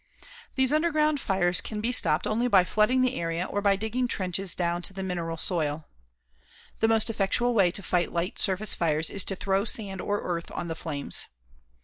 These underground fires can be stopped only by flooding the area or by digging trenches down to the mineral soil. The most effectual way to fight light surface fires is to throw sand or earth on the flames.